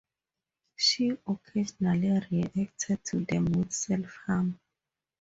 She occasionally reacted to them with self-harm.